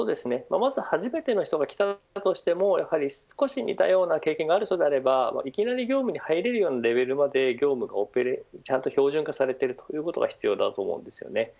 まず初めての人が来たとしても少し似たような経験がある人ならばいきなり業務に入れるようなレベルまで業務が標準化されているということが必要だと思います。